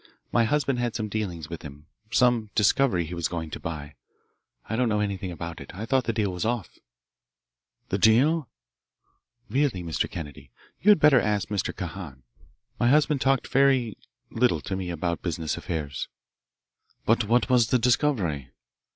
"My husband had some dealings with him some discovery he was going to buy. I don't know anything about it. I thought the deal was off." "The deal?" "Really, Mr. Kennedy, you had better ask Mr. Kahan. My husband talked very, little to me about business affairs." "But what was the discovery?"